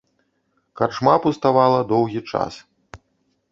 Карчма пуставала доўгі час.